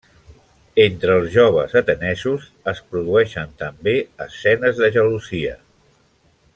Entre els joves atenesos es produeixen també escenes de gelosia.